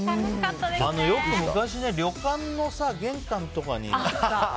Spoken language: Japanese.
よく昔、旅館の玄関とかに。